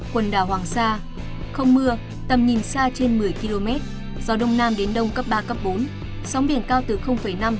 quần đảo hoàng sa không mưa tầm nhìn xa trên một mươi km gió đông nam đến đông cấp ba bốn sóng biển cao từ năm một năm m